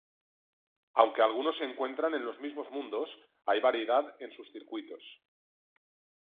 Aunque algunos se encuentran en los mismos mundos, hay variedad en sus circuitos.